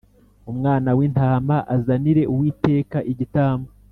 umwana wintama azanire Uwiteka igitambo